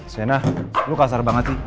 sena lu kasar banget sih